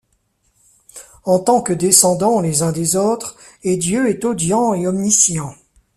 En tant que descendants les uns des autres, et Dieu est Audient et Omniscient.